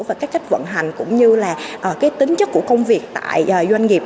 và cách vận hành cũng như là cái tính chất của công việc tại doanh nghiệp